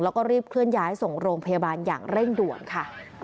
แล้วก็รีบเคลื่อนย้ายส่งโรงพยาบาลอย่างเร่งด่วนค่ะ